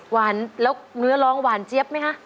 หวานแล้วเนื้อร้องหวานเจี๊ยบไหมคะ